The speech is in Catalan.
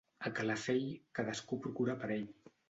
A Calafell, cadascú procura per ell.